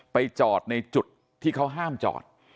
ไปจอดในจุดที่เขาห้ามจอด